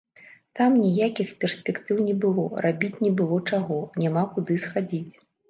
Там ніякіх перспектыў не было, рабіць не было чаго, няма куды схадзіць.